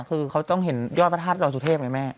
คือเขาต้องเห็นยอดพระธาตุรสุทธิพย์ไหมแม่